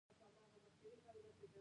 د رویال جیلی د څه لپاره وکاروم؟